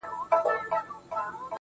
زه د جنتونو و اروا ته مخامخ يمه.